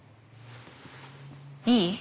いい？